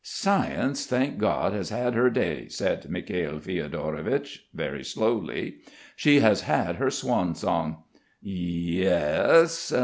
"Science, thank God, has had her day," says Mikhail Fiodorovich very slowly. "She has had her swan song. Ye es.